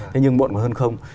thế nhưng muộn hơn không